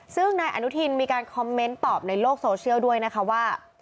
ซึ่งนายอนุทินมีการคอมเมนต์ตอบในโลกโซเชียลด้วยนะคะว่า